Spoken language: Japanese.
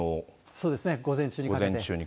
そうですね、午前中にかけて。